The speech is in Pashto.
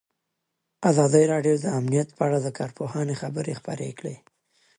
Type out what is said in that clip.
ازادي راډیو د امنیت په اړه د کارپوهانو خبرې خپرې کړي.